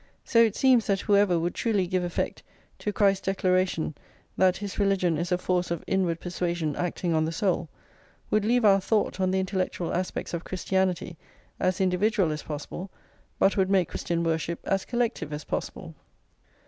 So it seems that whoever would truly give effect to Christ's declaration that his religion is a force of inward persuasion acting on the soul, would leave our thought on the intellectual aspects of Christianity as individual as possible, but would make Christian worship as collective as possible.